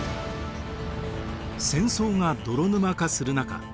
戦争が泥沼化する中